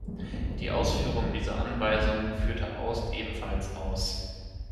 Die Ausführung dieser Anweisung führte Aust ebenfalls aus.